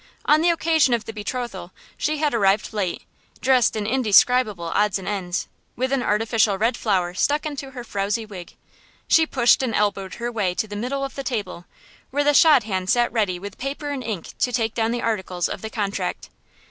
On the occasion of the betrothal she had arrived late, dressed in indescribable odds and ends, with an artificial red flower stuck into her frowzy wig. She pushed and elbowed her way to the middle of the table, where the shadchan sat ready with paper and ink to take down the articles of the contract.